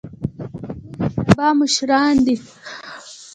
دوی د سبا مشران دي